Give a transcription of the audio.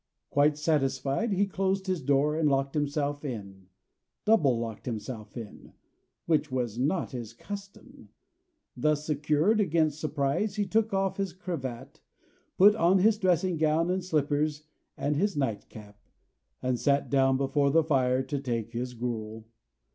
Quite satisfied, he closed his door, and locked himself in; double locked himself in, which was not his custom. Thus secured against surprise, he, took off his cravat; put on his dressing gown and slippers, and his night cap; and sat down before the fire to take his gruel.